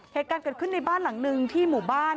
เหตุการณ์เกิดขึ้นในบ้านหลังนึงที่หมู่บ้าน